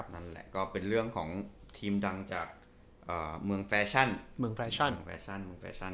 นั่นแหละก็เป็นเรื่องของทีมดังจากเมืองแฟชั่น